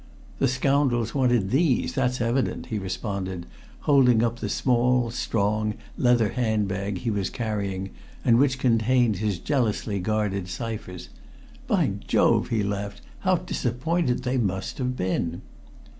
"The scoundrels wanted these, that's evident," he responded, holding up the small, strong, leather hand bag he was carrying, and which contained his jealously guarded ciphers. "By Jove!" he laughed, "how disappointed they must have been!"